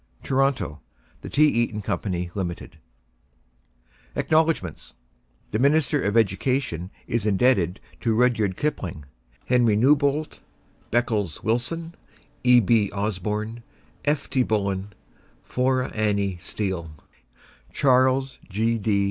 TORONTO: THE T. EATON Co LIMITED ACKNOWLEDGEMENTS THE MINISTER OF EDUCATION is indebted to Rudyard Kipling, Henry Newbolt, Beckles Willson, E. B. Osborn, F. T. Bullen, Flora Annie Steel; Charles G. D.